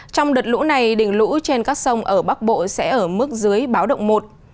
trong đợt lũ này đỉnh lũ trên các sông ở bắc bộ sẽ ở mức dưới báo động một